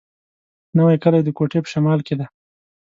نوی کلی د کوټي په شمال کي دی.